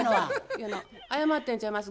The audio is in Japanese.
いやな謝ってんちゃいます。